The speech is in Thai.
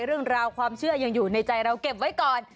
เรื่องราวความเชื่อยังอยู่ในใจเราเก็บไว้ก่อน